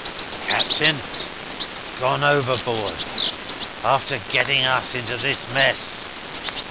"Captain? Gone overboard, after getting us into this mess."